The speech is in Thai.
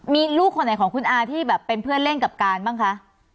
มีลูกคนไหนของคุณอาที่แบบเป็นเพื่อนเล่นกับการบ้างคะ